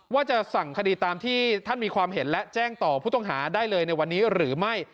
ว่าจะสั่งคดีตามที่ท่านมีความเห็นและแจ้งต่อผู้ต้องหาได้เลยในวันนี้หรือไม่